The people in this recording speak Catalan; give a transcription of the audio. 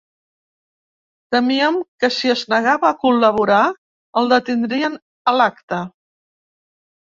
Temíem que si es negava a “col·laborar” el detindrien a l’acte.